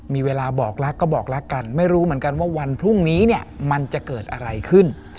มีเวลาบอกรักก็บอกรักกันไม่รู้เหมือนกันว่าวันพรุ่งนี้เนี่ยมันจะเกิดอะไรขึ้น